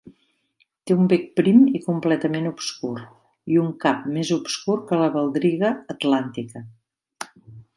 Té un bec prim i completament obscur i un cap més obscur que la baldriga atlàntica.